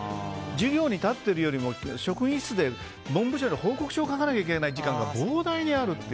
授業に立ってるよりも職員室で文部省に報告書を書かないといけないものが膨大にある。